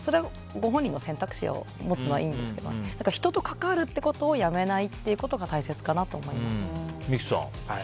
それはご本人の選択肢を持てばいいんですけど人と関わるってことをやめないってことが大切かなと思います。